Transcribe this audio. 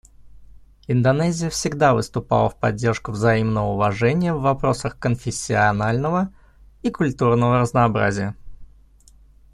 Индонезия всегда выступала в поддержку взаимного уважения в вопросах конфессионального и культурного разнообразия.